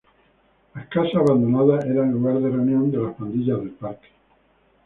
Las casas abandonadas eran lugar de reunión de las pandillas del Parque.